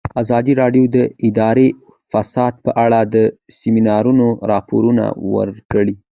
ازادي راډیو د اداري فساد په اړه د سیمینارونو راپورونه ورکړي.